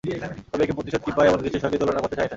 তবে একে প্রতিশোধ কিংবা এমন কিছুর সঙ্গে তুলনা করতে চাই না।